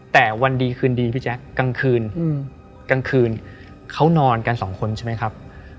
แต่วันดีคืนดีพี่แจ๊คกลางคืนกลางคืนเขานอนกันสองคนใช่ไหมครับ